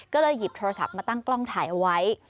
ก็เลยหยิบโทรศัพท์มาตั้งกล้องถ่ายเอาไว้